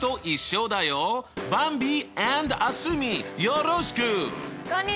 よろしく！